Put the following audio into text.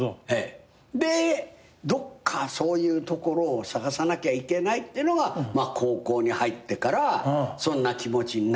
でどっかそういうところを探さなきゃいけないっていうのが高校に入ってからそんな気持ちになって。